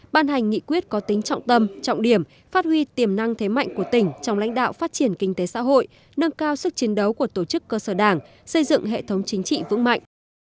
ban hành nghị quyết có tính trọng tâm trọng điểm phát huy tiềm năng thế mạnh của tỉnh trong lãnh đạo phát triển kinh tế xã hội nâng cao sức chiến đấu của tổ chức cơ sở đảng xây dựng hệ thống chính trị vững mạnh